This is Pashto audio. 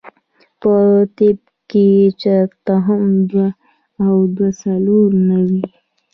پۀ طب کښې چرته هم دوه او دوه څلور نۀ وي -